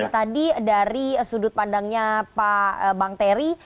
tadi dari sudut pandangnya pak bang terry